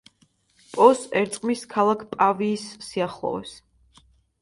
პოს ერწყმის ქალაქ პავიის სიახლოვეს.